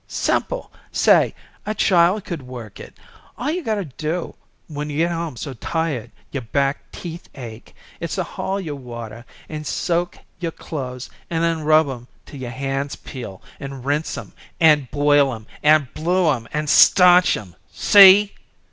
Simple! Say, a child could work it. All you got to do, when you get home so tired your back teeth ache, is to haul your water, an' soak your clothes, an' then rub 'em till your hands peel, and rinse 'em, an' boil 'em, and blue 'em, an' starch 'em. See?